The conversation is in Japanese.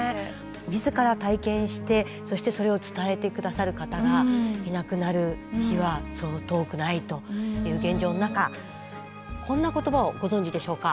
みずから体験してそしてそれを伝えてくださる方がいなくなる日はそう遠くないという現状の中こんな言葉をご存じでしょうか？